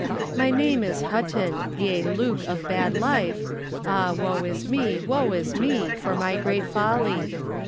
My name is Hutton, yea Luke of bad life, Ah woe is me, woe is me, for my great folly!